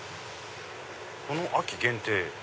この秋限定。